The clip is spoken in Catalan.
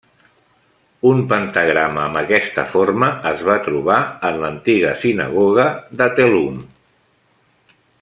Un pentagrama amb aquesta forma es va trobar en l'antiga sinagoga de Tel Hum.